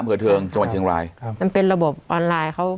เมือเทิงจังหวันเฉพาะอ่ะครับมันเป็นระบบออนไลน์เขา